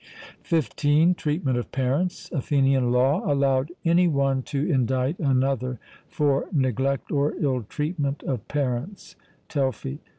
(15) Treatment of parents. Athenian law allowed any one to indict another for neglect or illtreatment of parents (Telfy).